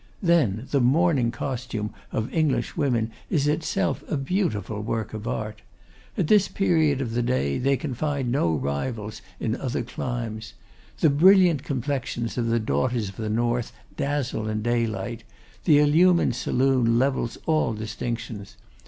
Then the morning costume of English women is itself a beautiful work of art. At this period of the day they can find no rivals in other climes. The brilliant complexions of the daughters of the north dazzle in daylight; the illumined saloon levels all distinctions.